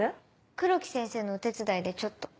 黒木先生のお手伝いでちょっと。